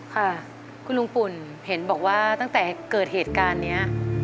ค่ะคุณลุงปุ่นเห็นบอกว่าตั้งแต่เกิดเหตุการณ์นี้